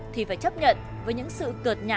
thì phải chấp nhận với những sự cợt nhả